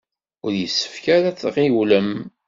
Ur yessefk ara ad tɣiwlem.